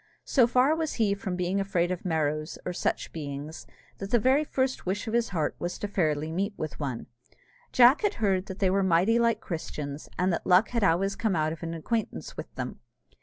So far was he from being afraid of Merrows, or such beings, that the very first wish of his heart was to fairly meet with one. Jack had heard that they were mighty like Christians, and that luck had always come out of an acquaintance with them.